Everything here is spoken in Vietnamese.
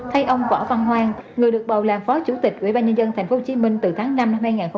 thay ông võ văn hoàng người được bầu làm phó chủ tịch ủy ban nhân dân tp hcm từ tháng năm năm hai nghìn một mươi chín